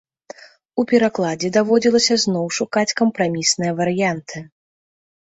У перакладзе даводзілася зноў шукаць кампрамісныя варыянты.